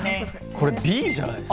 これ、Ｂじゃないですか？